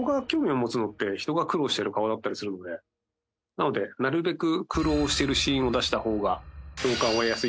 なのでなるべく。